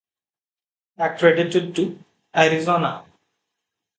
Accredited to: Arizona.